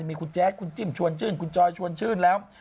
มีคุณแจ๊กคุณจิ้มคุณจอยชวนชื่นแล้ว